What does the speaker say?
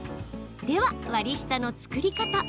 では、割り下の作り方。